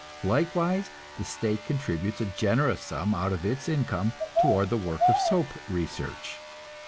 Likewise the state contributes a generous sum out of its income toward the work of soap research.